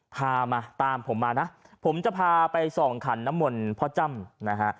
พามาตามผมมานะผมจะพาไปส่องขันน้ำมนต์พ่อจ้ำนะฮะ